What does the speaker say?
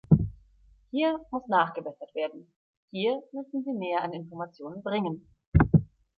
Hier muss nachgebessert werden, hier müssen Sie mehr an Informationen bringen.